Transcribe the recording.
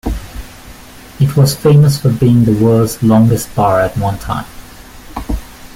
It was famous for being the world's longest bar at one time.